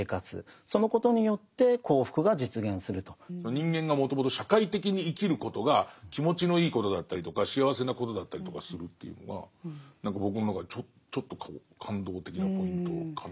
人間がもともと社会的に生きることが気持ちのいいことだったりとか幸せなことだったりとかするというのが僕の中でちょっと感動的なポイントかな。